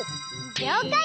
りょうかい！